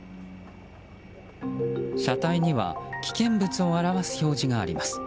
車体には危険物を表す表示があります。